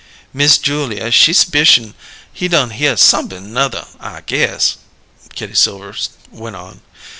"Miss Julia, she s'picion' he done hear somep'm 'nother, I guess," Kitty Silver went on.